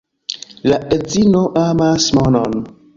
La edzino amas monon.